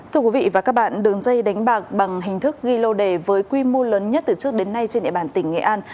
thưa quý vị và các bạn đường dây đánh bạc bằng hình thức ghi lô đề với quy mô lớn nhất từ trước đến nay trên địa bàn tỉnh nghệ an